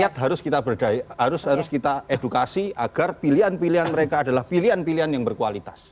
ya harus kita edukasi agar pilihan pilihan mereka adalah pilihan pilihan yang berkualitas